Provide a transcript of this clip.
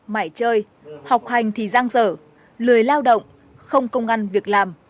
mãi chơi học hành thì răng rở lười lao động không công ăn việc làm